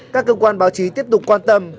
các cơ quan báo chí tiếp tục quan tâm